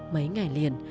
mấy ngày liền